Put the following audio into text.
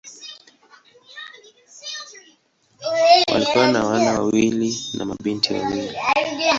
Walikuwa wana wawili na mabinti wawili.